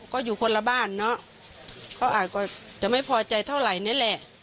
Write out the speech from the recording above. ก็อยู่คนละบ้านเนอะเขาอาจจะไม่พอใจเท่าไหร่นี่แหละ